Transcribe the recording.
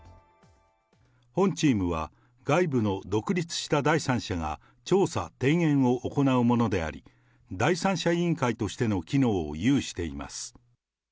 本チームは、外部の独立した第三者が調査、提言を行うものであり、第三者委員会としての機能を有しています。